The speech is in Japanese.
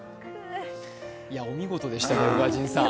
いや、お見事でしたね、宇賀神さん。